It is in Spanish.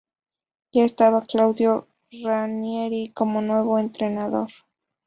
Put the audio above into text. Ya estaba Claudio Ranieri como nuevo entrenador.